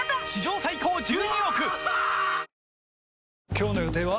今日の予定は？